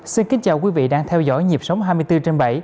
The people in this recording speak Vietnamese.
xin kính chào quý vị đang theo dõi nhịp sống hai mươi bốn trên bảy